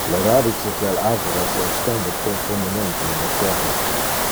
Le radices del arbore se extende profundemente in le terra.